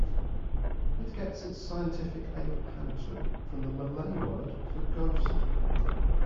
It gets its scientific name "hantu" from the Malay word for ghost.